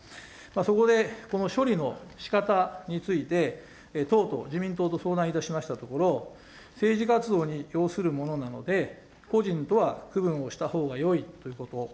そこでこの処理のしかたについて、党と、自民党と相談いたしましたところ、政治活動に要するものなので、個人とは区分をしたほうがよいということ。